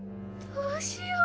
どうしよう。